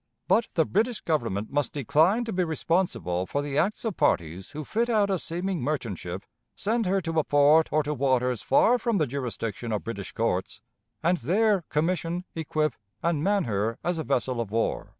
But the British Government must decline to be responsible for the acts of parties who fit out a seeming merchant ship, send her to a port or to waters far from the jurisdiction of British courts, and there commission, equip, and man her as a vessel of war."